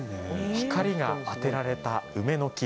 光が当てられた梅の木。